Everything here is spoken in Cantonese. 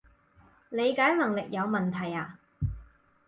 理解能力有問題呀？